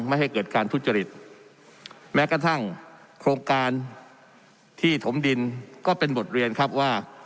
ไม่ให้เกิดการทุจริตแม้กระทั่งโครงการที่ถมดินก็เป็นบทเรียนครับว่า